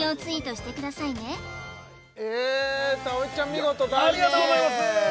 見事大吉ありがとうございます